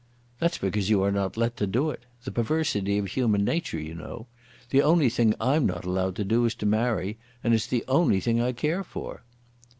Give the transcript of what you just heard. "That's because you are not let to do it; the perversity of human nature, you know! The only thing I'm not allowed to do is to marry, and it's the only thing I care for."